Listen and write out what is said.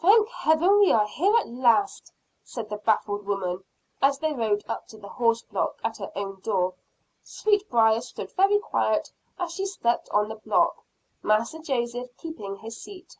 "Thank Heaven we are here at last!" said the baffled woman, as they rode up to the horse block at her own door. Sweetbriar stood very quiet, and she stepped on the block, Master Joseph keeping his seat.